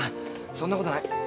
そんなことない。